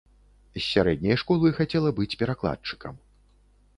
З сярэдняй школы хацела быць перакладчыкам.